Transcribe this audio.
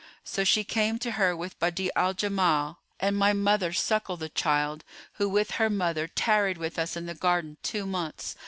So she came to her with Badi'a al Jamal and my mother suckled the child, who with her mother tarried with us in the garden two months.